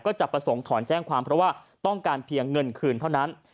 จะประสงค์ถอนแจ้งความเพราะว่าต้องการเพียงเงินคืนเท่านั้น